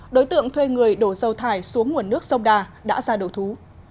đối tượng thuê người đổ dâu thải xuống nguồn nước sông đà đã ra đổ thú